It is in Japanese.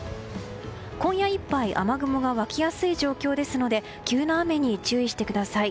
今夜いっぱい雨雲が涌きやすい状況ですので急な雨に注意してください。